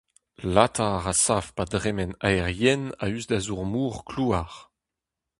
Latar a sav pa dremen aer yen a-us da zour mor klouar.